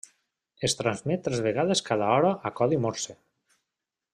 Es transmet tres vegades cada hora a Codi morse.